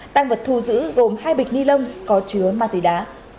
tăng vật thu giữ gồm hai bịch ni lông có chứa ma túy đá